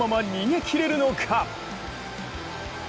このまま逃げ切れるのか？